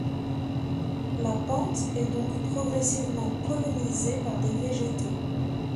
La pente est donc progressivement colonisée par des végétaux.